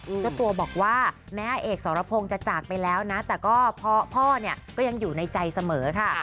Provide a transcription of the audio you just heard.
เจ้าตัวบอกว่าแม้เอกสรพงศ์จะจากไปแล้วนะแต่ก็พ่อเนี่ยก็ยังอยู่ในใจเสมอค่ะ